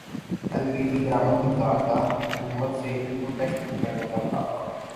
L P G درامد کنندگان کا حکومت سے انکم ٹیکس ختم کرنے کا مطالبہ